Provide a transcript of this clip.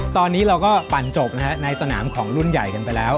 ตอนนี้เราก็ปั่นจบในสนามของรุ่นใหญ่กันไปแล้ว